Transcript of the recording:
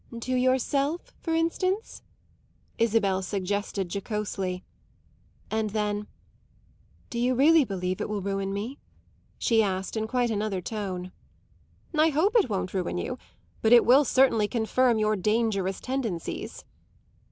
"To yourself for instance?" Isabel suggested jocosely. And then, "Do you really believe it will ruin me?" she asked in quite another tone. "I hope it won't ruin you; but it will certainly confirm your dangerous tendencies."